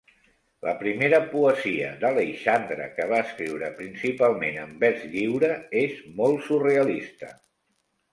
La primera poesia d'Aleixandre, que va escriure principalment en vers lliure, és molt surrealista.